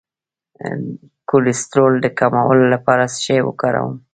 د کولیسټرول د کمولو لپاره څه شی وکاروم؟